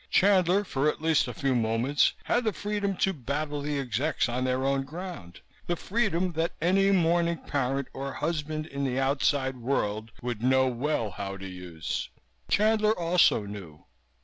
Chandler for at least a few moments had the freedom to battle the execs on their own ground, the freedom that any mourning parent or husband in the outside world would know well how to use. Chandler also knew.